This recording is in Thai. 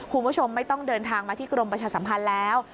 คุณผู้ชมไม่ต้องเดินทางมาที่กรมประชาสัมพันธ์แล้ว